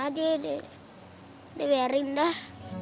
ini dia bayarin dah